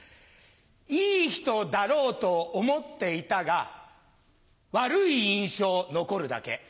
いい人だろうと思っていたが悪い印象残るだけ。